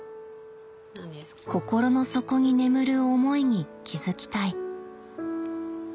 心の底に眠る思いに気付きたい。